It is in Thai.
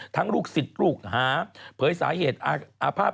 ทั้งลูกสิทธิ์ลูกเผยสาเหตุอาภาพ